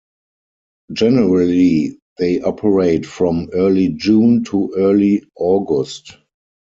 Generally, they operate from early June to early August.